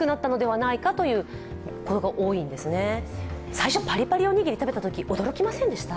最初、パリパリおにぎり食べたときびっくりしませんでした？